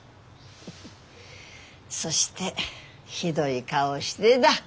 そしてひどい顔をしてだ。